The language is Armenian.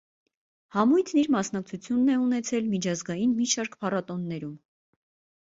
Համույթն իր մասնակցությունն է ունեցել միջազգային մի շարք փառատոներում։